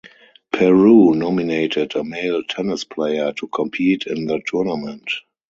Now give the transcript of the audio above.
Peru nominated a male tennis player to compete in the tournament.